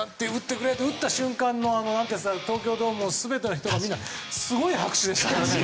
それで打った瞬間の東京ドームの全ての人が皆すごい拍手でしたからね。